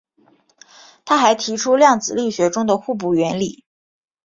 他还提出量子力学中的互补原理。